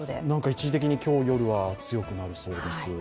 一時的に今日夜は強くなるようです。